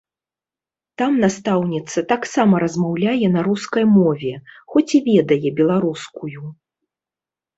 Там настаўніца таксама размаўляе на рускай мове, хоць і ведае беларускую.